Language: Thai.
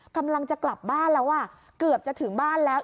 กำลังจะกลับบ้านแล้วอ่ะเกือบจะถึงบ้านแล้ว